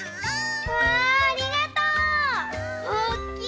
うわありがとう！おっきい！